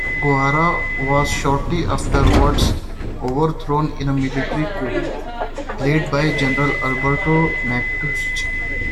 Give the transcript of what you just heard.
Guevara was shortly afterwards overthrown in a military coup led by General Alberto Natusch.